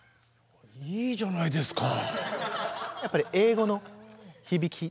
いいじゃないですか。